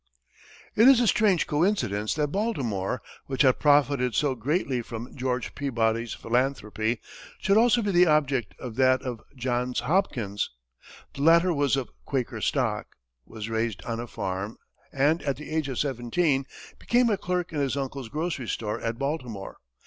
It is a strange coincidence that Baltimore, which had profited so greatly from George Peabody's philanthropy, should also be the object of that of Johns Hopkins. The latter was of Quaker stock, was raised on a farm, and at the age of seventeen became a clerk in his uncle's grocery store at Baltimore.